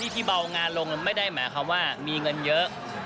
ที่เบางานลงไม่ได้หมายความว่ามีเงินเยอะ